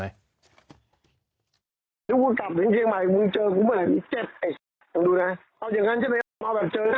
ถ้าคุณกลับถึงเชียงใหม่มึงเจอคุณเมื่อไหร่มีเจ็บไอ้เอาดูนะ